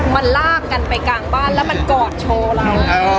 มันลากกันไปกลางบ้านแล้วมันกอดโชว์เรา